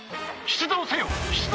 出動せよ！